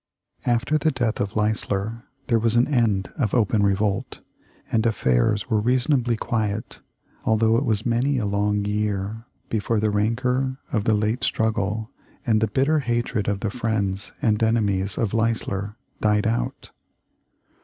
After the death of Leisler, there was an end of open revolt, and affairs were reasonably quiet, although it was many a long year before the rancor of the late struggle and the bitter hatred of the friends and enemies of Leisler died out.